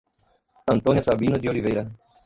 Antônia Sabino de Oliveira